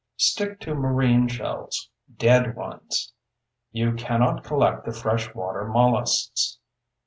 Stick to marine shells—dead ones. You cannot collect the fresh water molluscs.